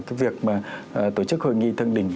cái việc mà tổ chức hội nghị thượng đỉnh